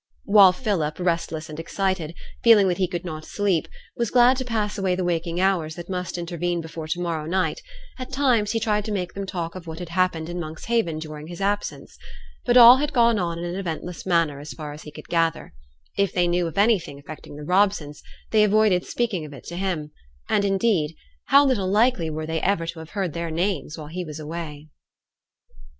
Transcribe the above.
While Philip, restless and excited, feeling that he could not sleep, was glad to pass away the waking hours that must intervene before to morrow night, at times, he tried to make them talk of what had happened in Monkshaven during his absence, but all had gone on in an eventless manner, as far as he could gather; if they knew of anything affecting the Robsons, they avoided speaking of it to him; and, indeed, how little likely were they ever to have heard their names while he was away?